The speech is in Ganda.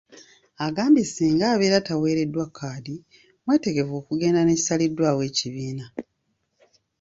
Agambye singa abeera taweereddwa kkaadi, mwetegefu okugenda n'ekisaliddwawo ekibiina.